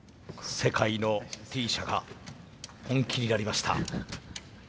世界のＴ社が本気になりました。